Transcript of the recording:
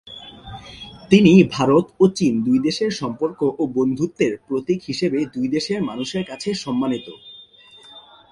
তিনি ভারত ও চীন দুই দেশের সম্পর্ক ও বন্ধুত্বের প্রতীক হিসেবে দুই দেশের মানুষের কাছে সম্মানিত।